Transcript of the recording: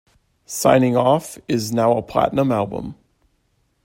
"Signing Off" is now a Platinum album.